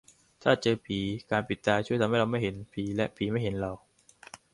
ถ้าเจอผี การปิดตาช่วยให้เราไม่เห็นผี และผีไม่เห็นเรา